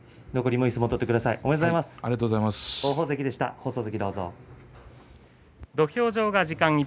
残りもいい相撲を取ってください。